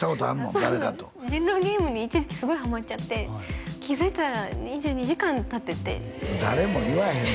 誰かと人狼ゲームに一時期すごいハマっちゃって気づいたら２２時間たってて誰も言わへんの？